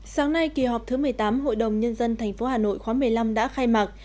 sáng nay kỳ họp thứ một mươi tám hội đồng nhân dân tp hà nội khóa một mươi năm đã khai mạc